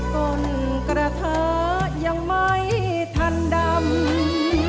ต้นกระเทอยังไม่ทันดำ